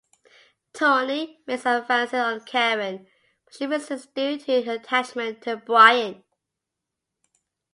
Tony makes advances on Karen, but she resists due to her attachment to Brian.